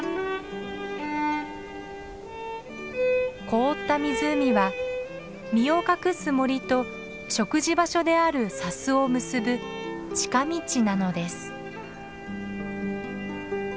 凍った湖は身を隠す森と食事場所である砂州を結ぶ近道なのです。